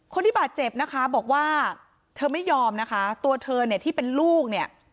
คนที่บาดเจ็บนะคะบอกว่าเธอไม่ยอมนะคะตัวเธอเนี่ยที่เป็นลูกเนี่ย